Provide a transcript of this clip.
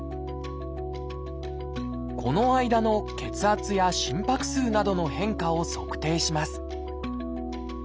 この間の血圧や心拍数などの変化を測定します。